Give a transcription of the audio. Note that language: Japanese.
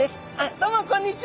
どうもこんにちは！